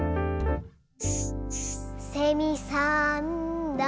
「せみさんだ」